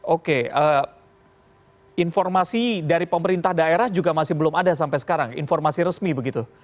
oke informasi dari pemerintah daerah juga masih belum ada sampai sekarang informasi resmi begitu